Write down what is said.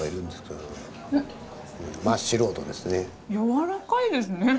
やわらかいですね！